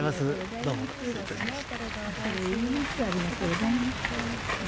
どうも失礼いたしました。